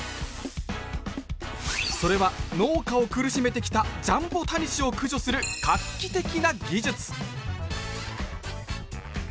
それは農家を苦しめてきたジャンボタニシを駆除する画期的な技術！